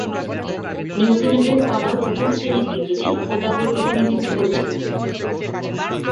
নিউজিল্যান্ডের ঘরোয়া প্রথম-শ্রেণীর ক্রিকেটে ওতাগোর প্রতিনিধিত্ব করেছেন তিনি।